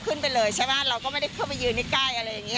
แต่บ้านสามารถลาก็ไม่ได้เข้าไปยืนในใกล้อะไรอย่างนี้